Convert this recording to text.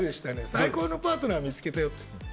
最高のパートナー見つけたよって。